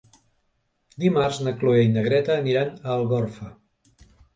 Dimarts na Cloè i na Greta aniran a Algorfa.